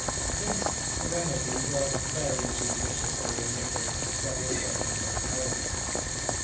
" This Threnody was very judiciously omitted from his volume of poems.